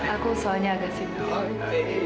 aku soalnya agak sibuk